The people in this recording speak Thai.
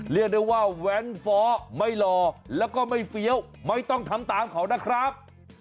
เรียกได้ว่าแว้นฟ้อไม่หล่อแล้วก็ไม่เฟี้ยวไม่ต้องทำตามเขานะครับ